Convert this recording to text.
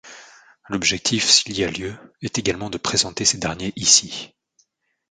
L'objectif, s'il y a lieu, est également de présenter ces derniers ici.